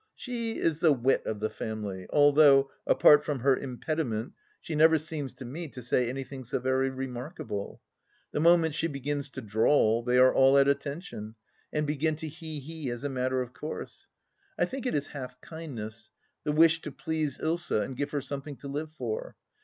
She is the wit of the family, although, apart from her impediment, she never seems to me to say anything so very remarkable. The moment she begins to drawl, they are all at attention, and begin to he hee as a matter of course. I think it is half kindness — ^the wish to please Ilsa and give her something to live for.